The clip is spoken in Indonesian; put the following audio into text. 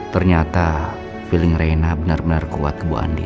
ternyata feeling rena benar benar kuat ke bu andin